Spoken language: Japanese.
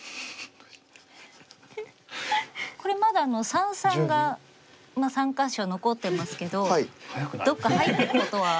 これまだ三々が３か所残ってますけどどっか入っていくことは。